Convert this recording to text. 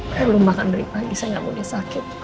aku belum makan dari pagi saya gak boleh sakit